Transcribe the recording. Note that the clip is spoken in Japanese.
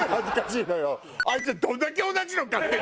あいつどんだけ同じの買ってる。